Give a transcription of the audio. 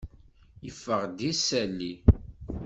Yeffeɣ-d yisali.